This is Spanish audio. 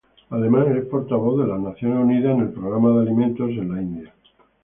Además es portavoz de las Naciones Unidas en el programa de alimentos en India.